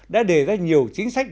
đã đề ra nhiều chính sách